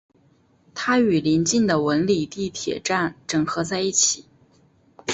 它与临近的文礼地铁站整合在一起。